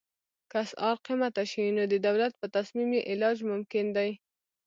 که اسعار قیمته شي نو د دولت په تصمیم یې علاج ممکن دی.